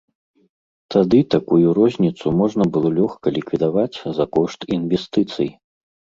Тады такую розніцу можна было лёгка ліквідаваць за кошт інвестыцый.